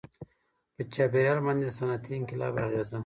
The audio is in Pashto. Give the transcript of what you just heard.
• په چاپېریال باندې د صنعتي انقلاب اغېزه.